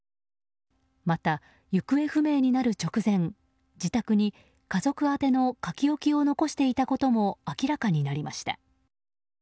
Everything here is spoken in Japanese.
また、行方不明になる直前自宅に家族宛ての書置きを残していたことも明らかになりました。